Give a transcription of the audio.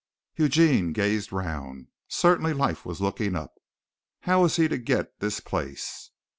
Eugene gazed round. Certainly life was looking up. How was he to get this place?